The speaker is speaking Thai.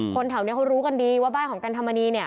แถวนี้เขารู้กันดีว่าบ้านของกันธรรมนีเนี่ย